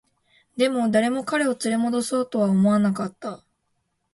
でも、誰も彼を連れ戻そうとは思わなかった